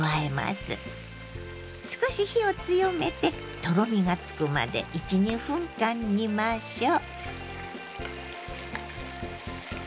少し火を強めてとろみがつくまで１２分間煮ましょう。